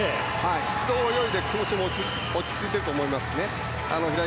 一度泳いで気持ちも落ち着いていると思いますし平井